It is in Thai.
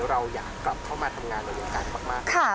เราอยากกลับเข้ามาทำงานในวงการมาก